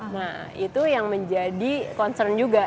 nah itu yang menjadi concern juga